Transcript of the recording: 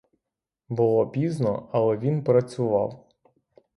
Було пізно, але він працював.